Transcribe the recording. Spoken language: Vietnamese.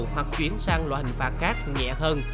hoặc chuyển sang loại hình phạt khác nhẹ hơn